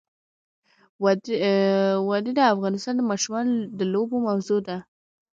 وادي د افغان ماشومانو د لوبو موضوع ده.